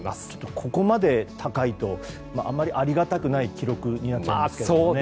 ここまで高いとあんまりありがたくない記録になっちゃいますね。